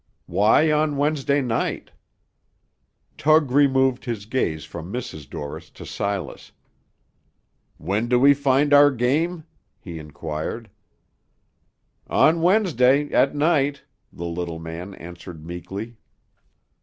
"Why on Wednesday night?" Tug removed his gaze from Mrs. Dorris to Silas. "When do we find our game?" he inquired. "On Wednesday; at night," the little man answered meekly.